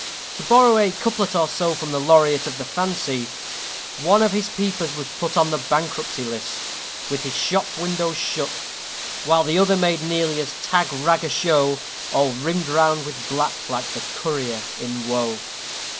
To borrow a couplet or so from the laureate of the Fancy: One of his peepers was put On the bankruptcy list, with his shop windows shut, While the other made nearly as tag rag a show, All rimmed round with black like the Courier in woe.